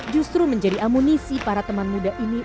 justru menjadi amunisi para teman muda ini